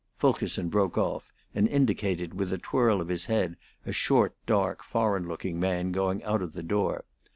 Fulkerson broke off, and indicated with a twirl of his head a short, dark, foreign looking man going out of the door.